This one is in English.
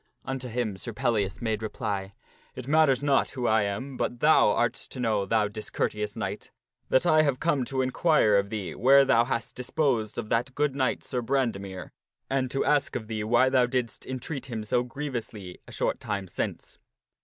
Unto him Sir Pellias made reply, " It matters not who I am, but thou art to know, thou discourteous knight, that I am come to inquire of thee where thou hast disposed of that good knight Sir Brandemere, and to ask of thee why thou didst entreat him so grievously a short time since."